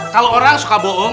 kalau orang suka bohong